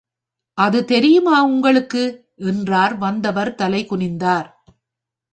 அது தெரியுமோ உங்களுக்கு? என்றார் வந்தவர் தலைகுனிந்தார்.